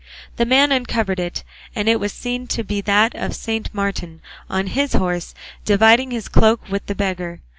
The man uncovered it, and it was seen to be that of Saint Martin on his horse, dividing his cloak with the beggar.